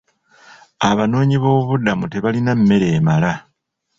Abanoonyi b'obubudamu tebalina mmere emala.